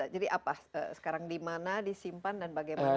jadi apa sekarang di mana disimpan dan bagaimana pengamanannya